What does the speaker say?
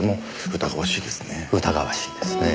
疑わしいですねえ。